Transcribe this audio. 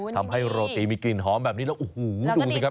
ทำให้โรตีมีกลิ่นหอมแบบนี้แล้วโอ้โหดูสิครับ